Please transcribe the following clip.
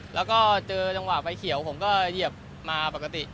แล้วก็เจอจังหวะไฟเขียวผมก็เหยียบมาปกติ